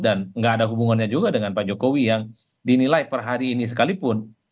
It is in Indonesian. dan nggak ada hubungannya juga dengan pak jokowi yang dinilai per hari ini sekalipun